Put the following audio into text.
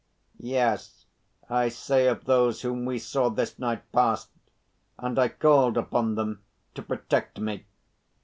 "Yes, I say of Those whom we saw this night past, and I called upon Them to protect me.